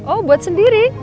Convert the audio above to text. oh buat sendiri